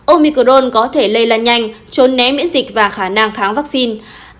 omicrone có thể lây lan nhanh trốn né miễn dịch và khả năng kháng vaccine